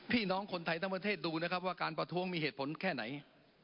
พี่น้องคนไทยทั้งประเทศดูนะครับว่าการประท้วงมีเหตุผลแค่ไหน